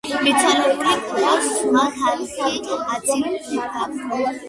მიცვალებულის კუბოს ზღვა ხალხი აცილებდა.